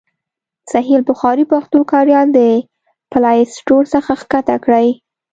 صحیح البخاري پښتو کاریال د پلای سټور څخه کښته کړئ.